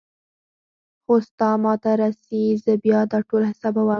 خو ستا ما ته رسي زه بيا دا ټول حسابوم.